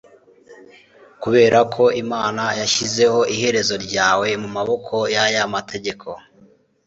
Kuberako Imana yashyize iherezo ryawe mumaboko yaya mategeko